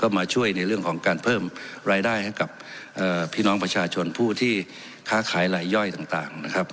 มาช่วยในเรื่องของการเพิ่มรายได้ให้กับพี่น้องประชาชนผู้ที่ค้าขายลายย่อยต่างนะครับ